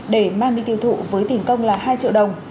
để mang đi tiêu thụ với tiền công là hai triệu đồng